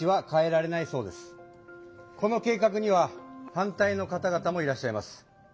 この計画には反対のかたがたもいらっしゃいます。